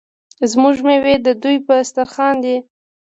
زموږ میوې د دوی په دسترخان دي.